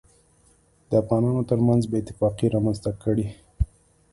دافغانانوترمنځ بې اتفاقي رامنځته کړي